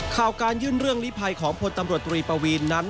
ข่าวการยื่นเรื่องลิภัยของพลตำรวจตรีปวีนนั้น